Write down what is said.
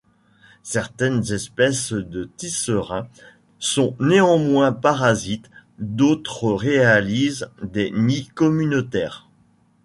Certaines espèces de tisserins sont néanmoins parasites, d'autres réalisent des nids communautaires.